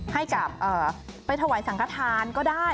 ให้กับไปถวายสังขทานก็ได้